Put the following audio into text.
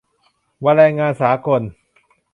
วันแรงงานสากล